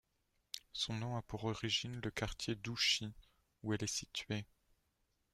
Son nom a pour origine le quartier d'Ouchy où elle est située.